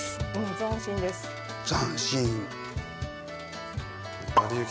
斬新です。